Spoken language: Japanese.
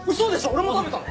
俺も食べたの？